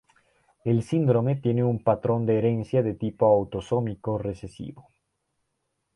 El síndrome tiene un patrón de herencia de tipo autosómico recesivo.